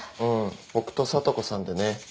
うん僕と聡子さんでね。